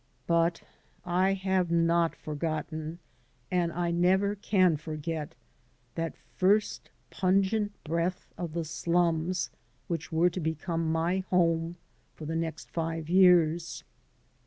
But I have not forgotten and I never can forget that first pungent breath of the slums which were to become my home for the next five years.